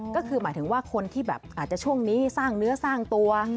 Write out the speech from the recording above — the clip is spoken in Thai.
ก็คือหมายถึงว่าคนที่แบบอาจจะช่วงนี้สร้างเนื้อสร้างตัว